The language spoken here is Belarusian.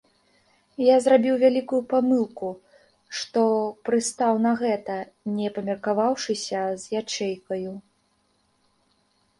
Я зрабіў вялікую памылку, што прыстаў на гэта, не памеркаваўшыся з ячэйкаю.